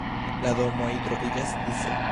La domoj troviĝas dise.